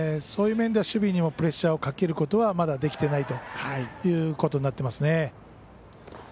そういう意味では守備にもプレッシャーをかけることはまだできていないということです。